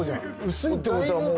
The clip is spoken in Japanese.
薄いってことはもう。